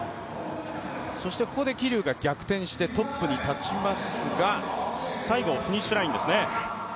そして、ここで桐生が逆転してトップに立ちますが最後フィニッシュラインですね。